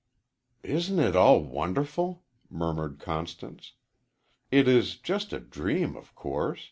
"Isn't it all wonderful?" murmured Constance. "It is just a dream, of course.